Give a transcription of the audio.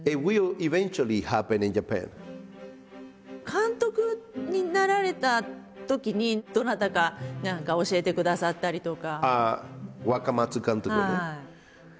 監督になられたときにどなたか教えてくださったりとか。